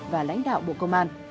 và lãnh đạo bộ công an